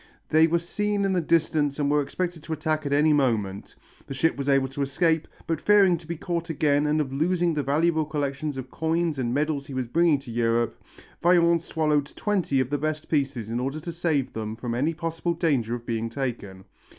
They were seen in the distance and were expected to attack at any moment. The ship was able to escape, but fearing to be caught again and of losing the valuable collection of coins and medals he was bringing to Europe, Vaillant swallowed twenty of the best pieces in order to save them from any possible danger of being taken.